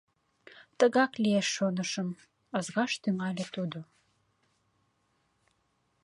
— Тыгак лиеш, шонышым, — ызгаш тӱҥале тудо.